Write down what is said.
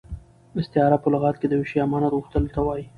استعاره په لغت کښي د یوه شي امانت غوښتلو ته وايي.